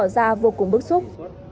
và vô cùng bức xúc